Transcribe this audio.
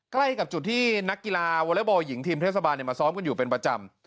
ใกล้กับจุดที่นักกีฬาวอเล็กบอลหญิงทีมเทศบาลมาซ้อมกันอยู่เป็นประจำ